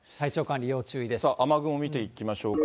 さあ、雨雲見ていきましょうか。